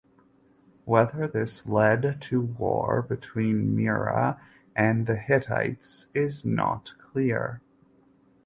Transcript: Whether this led to war between Mira and the Hittites is not clear.